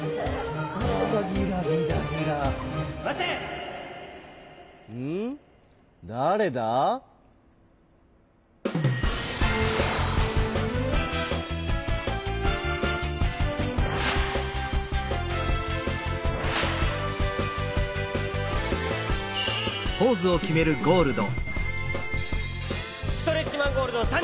ストレッチマン・ゴールドさんじょう！